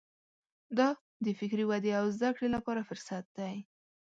دا د فکري ودې او زده کړې لپاره فرصت دی.